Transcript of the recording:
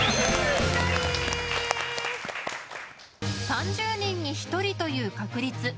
３０人に１人という確率。